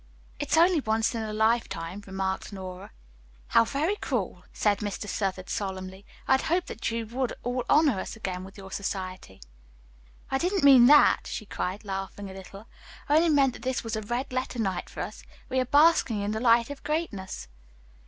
"It's only once in a life time," remarked Nora. "How very cruel," said Mr. Southard solemnly. "I had hoped that you would all honor us again with your society." "I didn't mean that," she cried, laughing a little. "I only meant that this was a red letter night for us. We are basking in the light of greatness."